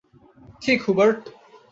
ঠিক, হুবার্ট।